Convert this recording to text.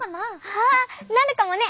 ああなるかもね。